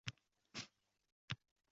U oʼrnidan turdi-da, sheʼr daftarini ochdi.